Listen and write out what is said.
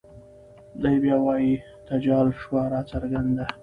دے به وائي تجال شوه راڅرګنده